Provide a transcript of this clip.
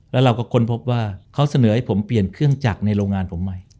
แล้วเราก็ค้นพบว่าเขาเสนอให้ผมเปลี่ยนเครื่องจักรในโรงงานผมใหม่